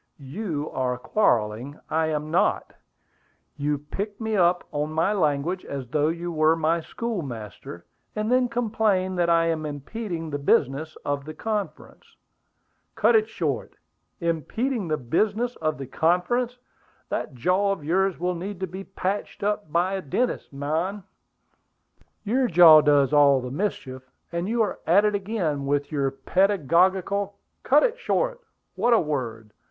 "You are quarrelling; I am not. You pick me up on my language as though you were my schoolmaster, and then complain that I am impeding the business of the conference." "Cut it short! 'Impeding the business of the conference!' That jaw of yours will need to be patched up by a dentist, man!" "Your jaw does all the mischief; and you are at it again, with your pedagogical " "Cut it short! What a word!